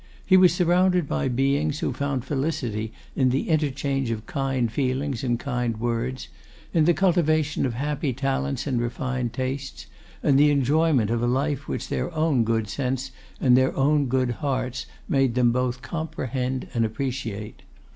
He was surrounded by beings who found felicity in the interchange of kind feelings and kind words, in the cultivation of happy talents and refined tastes, and the enjoyment of a life which their own good sense and their own good hearts made them both comprehend and appreciate.